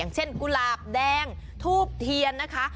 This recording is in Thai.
เช่นกุหลาบแดงทูบเทียนนะคะ